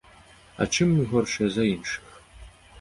А чым мы горшыя за іншых?